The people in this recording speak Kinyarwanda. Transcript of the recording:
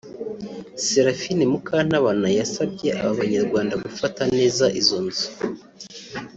Seraphine Mukantabana yasabye aba banyarwanda gufata neza izo nzu